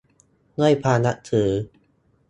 ด้วยความนับถือ